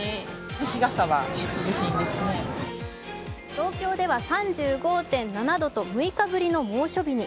東京では３５．７度と６日ぶりの猛暑日に。